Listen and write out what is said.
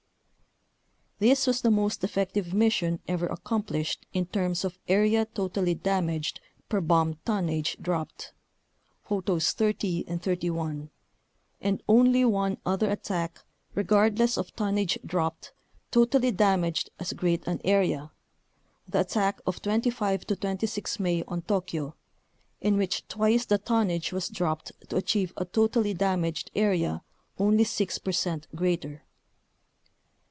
This was the most effective mission ever accomplished in terms of area totally damaged per bomb ton nage dropped (Photos 30 and 31), and only one other attack, regardless of tonnage dropped, totally damaged as great an area — the attack of 25 26 May on Tokyo, in which twice the ton nage was dropped to achieve a totally damaged area only six percent greater.